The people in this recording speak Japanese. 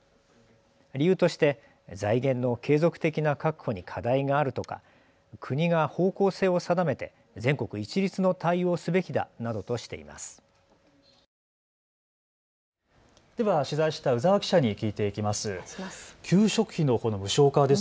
理由として財源の継続的な確保に課題があるとか国が方向性を定めて全国一律の対応をすべきだなどとしています。